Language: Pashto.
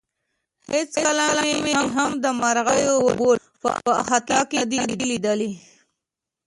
هېڅکله مې هم د مرغیو بول په احاطه کې نه دي لیدلي.